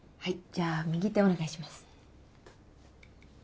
じゃあ右手お願いします。